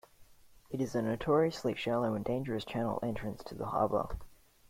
It is a notoriously shallow and dangerous channel entrance to the harbour.